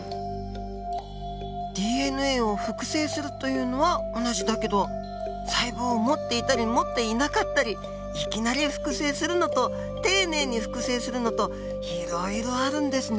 ＤＮＡを複製するというのは同じだけど細胞を持っていたり持っていなかったりいきなり複製するのと丁寧に複製するのといろいろあるんですね。